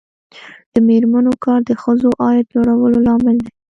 د میرمنو کار د ښځو عاید لوړولو لامل دی.